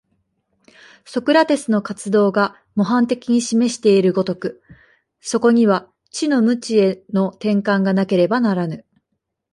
ソクラテスの活動が模範的に示している如く、そこには知の無知への転換がなければならぬ。